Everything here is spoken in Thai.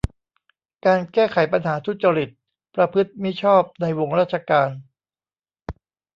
การแก้ไขปัญหาทุจริต ประพฤติมิชอบในวงราชการ